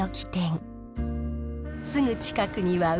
すぐ近くには海。